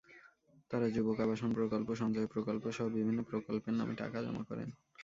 তাঁরা যুবক আবাসন প্রকল্প, সঞ্চয় প্রকল্পসহ বিভিন্ন প্রকল্পের নামে টাকা জমা করেন।